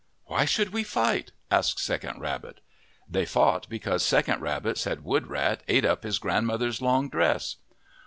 " Why should we fight ?' asked Second Rabbit. They fought because Second Rabbit said Woodrat ate up his grandmother's long dress.